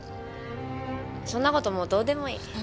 そんなこともうどうでもいい。